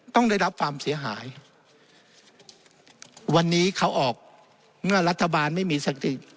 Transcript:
ต้องได้รับความเสียหายวันนี้เขาออกเมื่อรัฐบาลไม่มีสติ